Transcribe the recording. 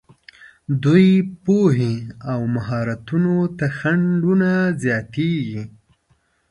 دوی پوهې او مهارتونو ته خنډونه زیاتېږي.